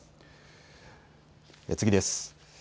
次です。